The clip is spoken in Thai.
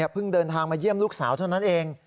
เดินทางมาเยี่ยมลูกสาวเท่านั้นเอง